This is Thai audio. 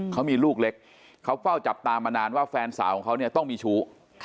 เขามีลูกเล็กเขาเฝ้าจับตามานานว่าแฟนสาวของเขาเนี่ยต้องมีชู้